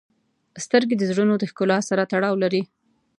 • سترګې د زړونو د ښکلا سره تړاو لري.